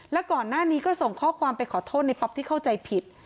แล้วก่อนหน้านี้ก็ส่งข้อความไปขอโทษในป๊อปที่เข้าใจผิด